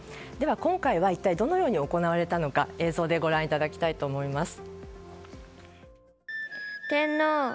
今回は一体どのように行われたのか映像でご覧いただきます。